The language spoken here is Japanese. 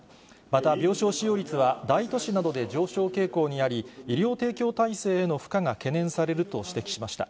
また病床使用率は、大都市などで上昇傾向にあり、医療提供体制への負荷が懸念されると指摘しました。